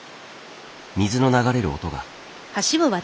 水の流れる音が。